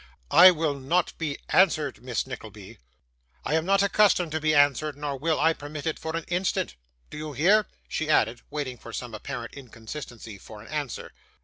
'I will not be answered, Miss Nickleby. I am not accustomed to be answered, nor will I permit it for an instant. Do you hear?' she added, waiting with some apparent inconsistency FOR an answer.